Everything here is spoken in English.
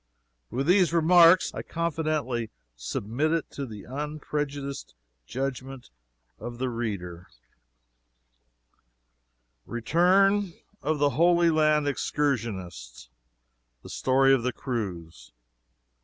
With these remarks I confidently submit it to the unprejudiced judgment of the reader: RETURN OF THE HOLY LAND EXCURSIONISTS THE STORY OF THE CRUISE.